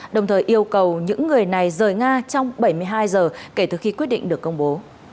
đồng thời yêu cầu những người này rời nga trong bảy mươi hai giờ kể từ khi quyết định được công bố